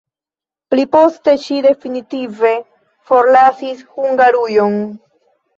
Pli poste ŝi definitive forlasis Hungarujon.